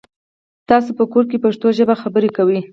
تاسو په کور کې پښتو ژبه خبري کوی؟